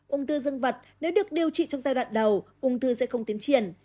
ung thư dân vật nếu được điều trị trong giai đoạn đầu ung thư sẽ không tiến triển